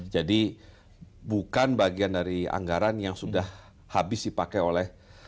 jadi bukan bagian dari anggaran yang sudah habis dipakai oleh